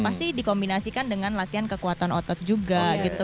pasti dikombinasikan dengan latihan kekuatan otot juga gitu